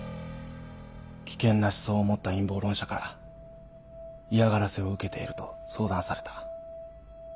「危険な思想を持った陰謀論者から嫌がらせを受けている」と相談された。